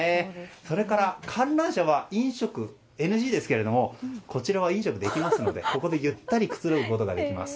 それから観覧車は飲食ＮＧですけれどもこちらは飲食できますのでここでゆったりくつろぐことができます。